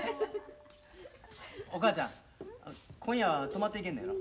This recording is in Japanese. ・お母ちゃん今夜は泊まっていけるのやろ。